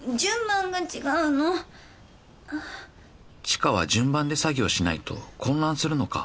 知花は順番で作業しないと混乱するのか